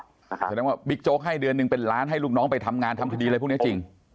แสดงว่าบิ๊กโจ๊กให้เดือนหนึ่งเป็นล้านให้ลูกน้องไปทำงานทำคดีอะไรพวกนี้จริง